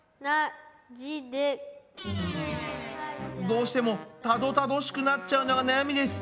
どうしてもたどたどしくなっちゃうのが悩みです。